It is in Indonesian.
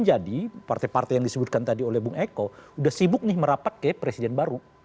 jadi partai partai yang disebutkan tadi oleh bung eko sudah sibuk nih merapat kayak presiden baru